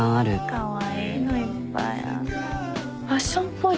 かわいいのいっぱいある。